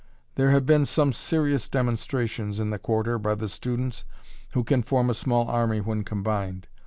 There have been some serious demonstrations in the Quarter by the students, who can form a small army when combined.